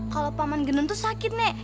kalau paman gendon tuh sakit nek